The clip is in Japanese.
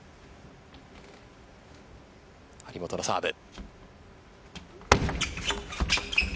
張本のサーブ。